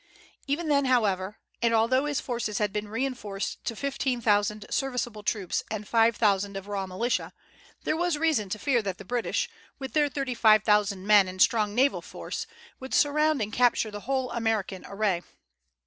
Even then, however, and although his forces had been reinforced to fifteen thousand serviceable troops and five thousand of raw militia, there was reason to fear that the British, with their thirty five thousand men and strong naval force, would surround and capture the whole American array.